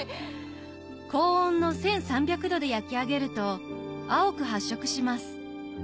高温の１３００℃で焼き上げると青く発色します